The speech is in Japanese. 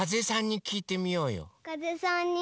かぜさんに？